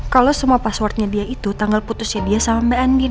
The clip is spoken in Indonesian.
kalau semua passwordnya dia itu tanggal putusnya dia sama mbak andi